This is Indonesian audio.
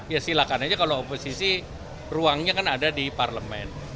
ya silakan aja kalau oposisi ruangnya kan ada di parlemen